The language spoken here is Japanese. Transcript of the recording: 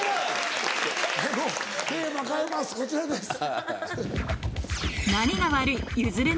もうテーマ変えますこちらです。